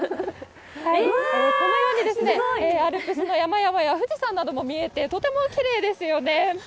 このように、アルプスの山々や富士山なども見えて、とてもきれいですよね。